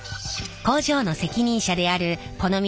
工場の責任者であるこの道